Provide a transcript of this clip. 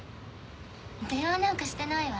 電話なんかしてないわ。